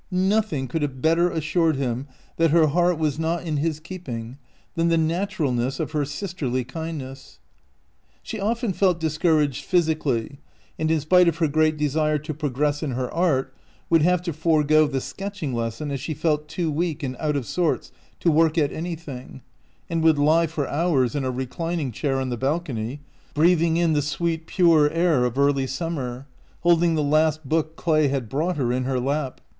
Nothing could have better assured him that her heart was not in his keeping than the naturalness of her sisterly kindness. She often felt discouraged physically, and in spite of her great desire to progress in her art, would have to forego the sketching les son, as she felt too weak and out of sorts to work at anything, and would lie for hours in OUT OF BOHEMIA a reclining chair on the balcony, breathing in the sweet, pure air of early summer, hold ing the last book Clay had brought her in her lap.